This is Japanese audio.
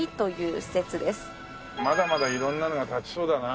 まだまだ色んなのが建ちそうだな。